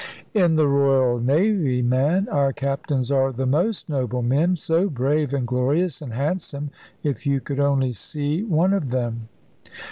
"In the Royal Navy, ma'am! Our captains are the most noble men, so brave, and glorious, and handsome! If you could only see one of them!"